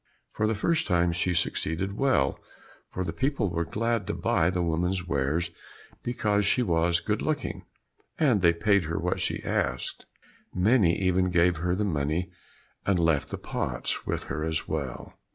For the first time she succeeded well, for the people were glad to buy the woman's wares because she was good looking, and they paid her what she asked; many even gave her the money and left the pots with her as well.